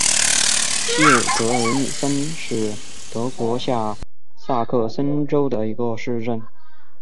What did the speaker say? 希尔格尔米森是德国下萨克森州的一个市镇。